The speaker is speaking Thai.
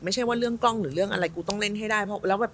ไม่ใช่ว่าเรื่องกล้องหรือเรื่องอะไรกูต้องเล่นให้ได้เพราะแล้วแบบ